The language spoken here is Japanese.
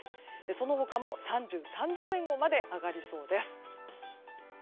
その他も３３度前後まで上がりそうです。